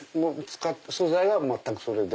素材は全くそれで。